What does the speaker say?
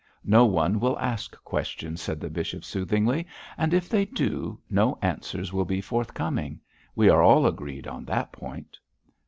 'No one will ask questions,' said the bishop, soothingly, 'and if they do, no answers will be forthcoming; we are all agreed on that point.'